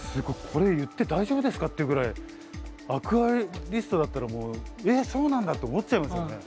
これ言って大丈夫ですかっていうぐらいアクアリストだったらもう「えっそうなんだ」って思っちゃいますよね。